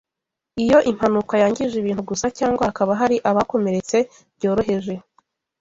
Iyo impanuka yangije ibintu gusa cyangwa hakaba hari abakomeretse byoroheje